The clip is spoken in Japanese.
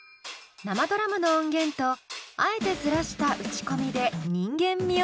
生ドラムの音源とあえてズラした打ち込みで人間味を出す。